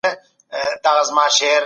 په سختو وختونو کي به د نورو لاسنیوی کوئ.